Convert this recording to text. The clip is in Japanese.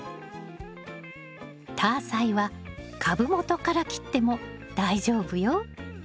タアサイは株元から切っても大丈夫よ。